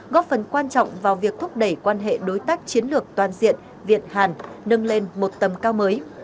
góp phần quan trọng vào việc thúc đẩy quan hệ đối tác chiến lược toàn diện việt hàn nâng lên một tầm cao mới